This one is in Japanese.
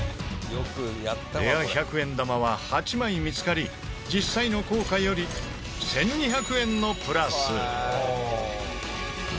レア１００円玉は８枚見つかり実際の硬貨より１２００円のプラス。